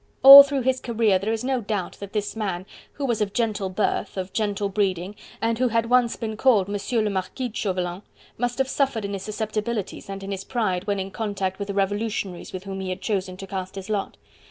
All through his career there is no doubt that this man, who was of gentle birth, of gentle breeding, and who had once been called M. le Marquis de Chauvelin, must have suffered in his susceptibilities and in his pride when in contact with the revolutionaries with whom he had chosen to cast his lot.